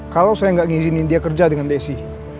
kalau saya nggak ngizinin dia kerja dengan desi